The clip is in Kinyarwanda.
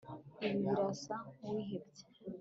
Ibi birasa nkuwihebye